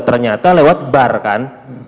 ternyata lewat bar kan